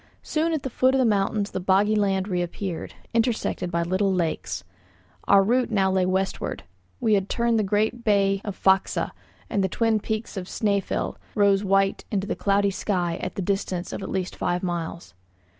Soon at the foot of the mountains the boggy land reappeared, intersected by little lakes. Our route now lay westward; we had turned the great bay of Faxa, and the twin peaks of Snæfell rose white into the cloudy sky at the distance of at least five miles.